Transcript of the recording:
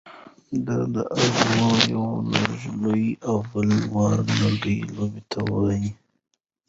ډی يا اچموچ د يوۀ لږ لوی او بل واړۀ لرګي لوبې ته وايي.